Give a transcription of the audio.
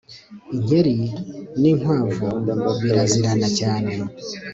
Inkeri ninkwavubirazirana cyane